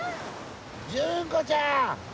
純子ちゃん！